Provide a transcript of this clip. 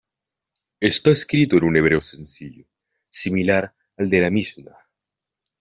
Está escrito en un hebreo sencillo, similar al de la Mishná.